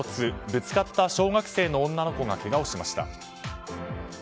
ぶつかった小学生の女の子がけがをしました。